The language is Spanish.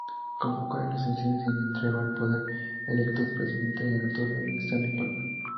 Convocó a elecciones y le entregó al poder al electo presidente Arturo Alessandri Palma.